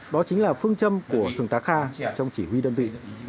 đó chính là phương châm của thường tá kha trong chỉ huy đơn vị